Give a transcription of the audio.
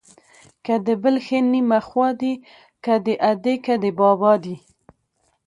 د بل ښې نيمه خوا دي ، که د ادې که د بابا دي.